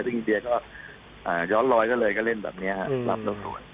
ซึ่งอินเดียก็ย้อนลอยก็เลยก็เล่นแบบนี้รับตัว